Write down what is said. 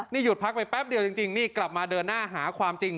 นี่หยุดพักไปแป๊บเดียวจริงนี่กลับมาเดินหน้าหาความจริง